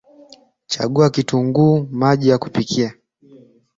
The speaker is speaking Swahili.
Chagua kitunguu maji vya kupikia